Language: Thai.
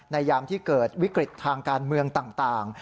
ยามที่เกิดวิกฤตทางการเมืองต่าง